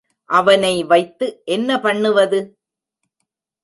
அவனை வைத்து என்ன பண்ணுவது?